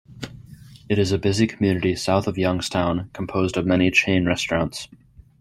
It is a busy community south of Youngstown composed of many chain restaurants.